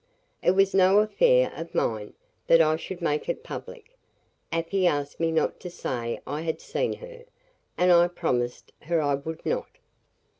"It was no affair of mine, that I should make it public. Afy asked me not to say I had seen her, and I promised her I would not.